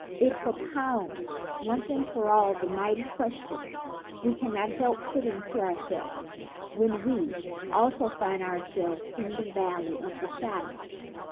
It propounds, once for all, the mighty questions we cannot help putting to ourselves when we also find ourselves in the valley of the shadow.